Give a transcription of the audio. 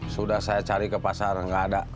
sudah saya cari ke pasar nggak ada